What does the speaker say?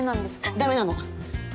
ダメなの。